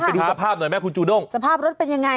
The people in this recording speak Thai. เอาเป็นทุกสภาพหน่อยแม่คุณจูน้องสภาพรถเป็นยังไง